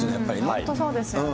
本当そうですよね。